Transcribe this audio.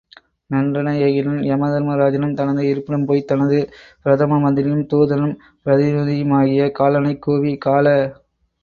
நன்றென ஏகினன் யமதருமராஜனும், தனது இருப்பிடம் போய்த் தனது பிரதம மந்திரியும் தூதனும் பிரதிநிதியுமாகிய காலனைக் கூவி கால!